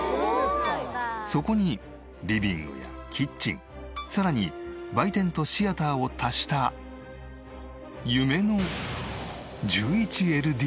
そこにリビングやキッチンさらに売店とシアターを足した夢の１１ＬＤＫＢＴ。